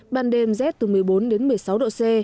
ban đêm rét từ một mươi bốn đến một mươi sáu độ c